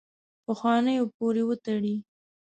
پخوانو پورې وتړي.